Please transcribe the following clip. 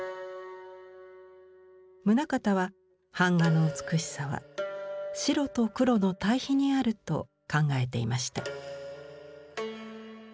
棟方は板画の美しさは白と黒の対比にあると考えていました。